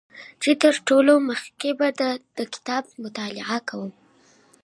چې تر ټولو مخکې به دا کتاب مطالعه کوم